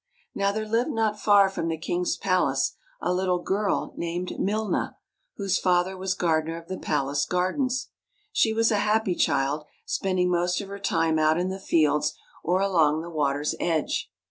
Now there lived not far from the king's palace a little girl named Milna, whose father was gar dener of the palace gardens. She was a happy child, spending most of her time out in the fields or along the water's edge.